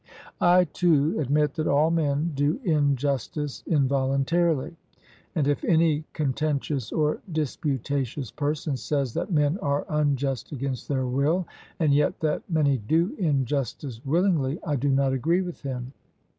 I too admit that all men do injustice involuntarily, and if any contentious or disputatious person says that men are unjust against their will, and yet that many do injustice willingly, I do not agree with him.